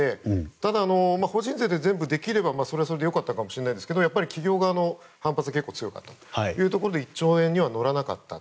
ただ、法人税で全部できればそれはそれで良かったのかもしれないんですけどやっぱり企業側の反発が結構強かったというところで１兆円には乗らなかった。